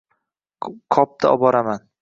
Qopda oboraman!